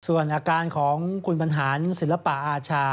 ส่วนอาการของคุณบรรหารศิลปะอาชา